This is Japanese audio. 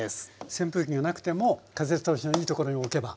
扇風機がなくても風通しのいいところに置けば。